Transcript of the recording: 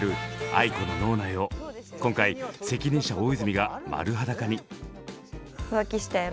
ａｉｋｏの脳内を今回責任者・大泉が丸裸に！